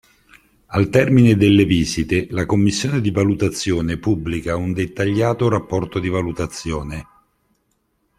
Al termine delle visite la commissione di valutazione pubblica un dettagliato rapporto di valutazione.